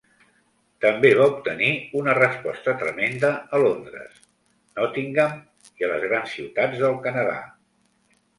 També va obtenir una resposta tremenda a Londres, Nottingham i a les grans ciutats del Canadà.